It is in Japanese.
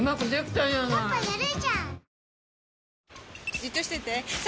じっとしてて３！